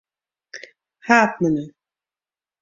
Haadmenu.